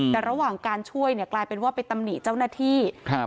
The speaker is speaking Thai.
แต่ระหว่างการช่วยเนี่ยกลายเป็นว่าไปตำหนิเจ้าหน้าที่ครับ